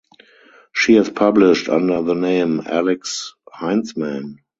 She has published under the name Alix Heintzman.